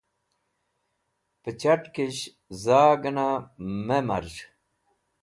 Pẽ chet̃kish za gẽna me marz̃h.